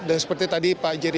dan seperti tadi pak jerry